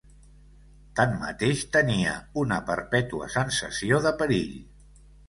Tanmateix tenia una perpètua sensació de perill